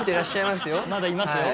まだいますよ。